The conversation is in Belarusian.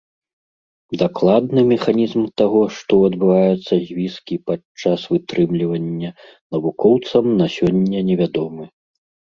Дакладны механізм таго, што адбываецца з віскі падчас вытрымлівання, навукоўцам на сёння невядомы.